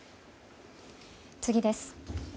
次です。